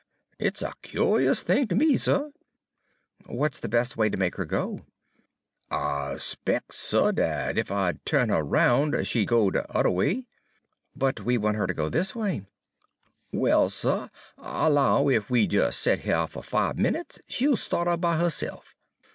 It's a cu'ous thing ter me, suh." "What's the best way to make her go?" "I 'spec's, suh, dat ef I'd tu'n her 'roun', she'd go de udder way." "But we want her to go this way." "Well, suh, I 'low ef we des set heah fo' er fibe minutes, she'll sta't up by herse'f."